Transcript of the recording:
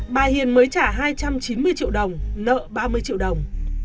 bà hiền mới trả hai trăm chín mươi triệu đồng nợ ba mươi triệu đồng